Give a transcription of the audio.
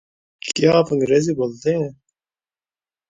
کیا آپ انگریزی بولتے ہیں؟